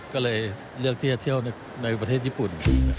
ก็เลยเลือกที่จะเที่ยวในประเทศญี่ปุ่น